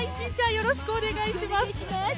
よろしくお願いします。